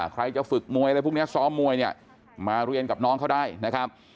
ใครจะฝึกมวยอะไรพวกนี้ซ้อมมวยเนี่ยมาเรียนกับน้องเขาได้นะครับ